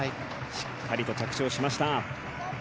しっかりと着地をしました。